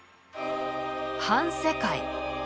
「反世界」。